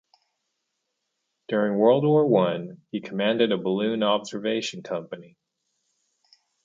During World War One, he commanded a balloon observation company.